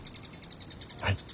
はい。